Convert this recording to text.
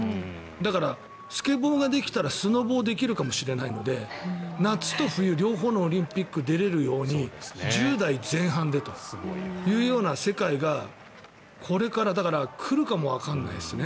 だから、スノボーができたらスケボーができるかもしれないので夏と冬両方のオリンピック出れるように１０代前半でというような世界がこれから来るかもわからないですね。